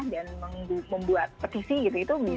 dan membuat petisi gitu